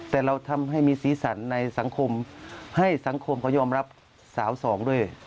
แต่เราทำให้มีสีสันในสังคมให้สังคมเขายอมรับสาวสองด้วย